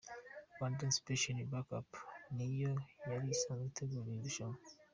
Rwanda Inspiration Back Up ni yo yari isanzwe itegura iri rushanwa.